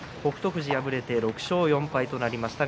富士敗れて６勝４敗となりました。